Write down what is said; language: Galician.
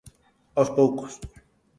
Aos poucos.